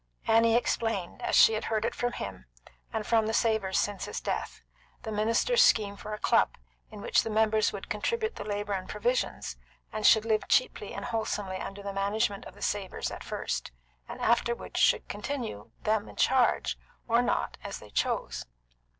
Annie explained, as she had heard it from him, and from the Savors since his death, the minister's scheme for a club, in which the members should contribute the labour and the provisions, and should live cheaply and wholesomely under the management of the Savors at first, and afterward should continue them in charge, or not, as they chose.